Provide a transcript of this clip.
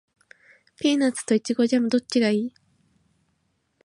ピーナッツとイチゴジャム、どっちがいい？